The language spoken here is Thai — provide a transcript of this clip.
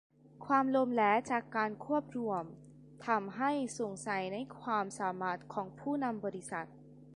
ความล้มเหลวจากการควบรวมทำให้สงสัยในความสามารถของผู้นำบริษัท